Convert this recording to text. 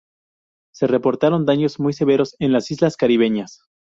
Se reportaron daños muy severos en las islas caribeñas.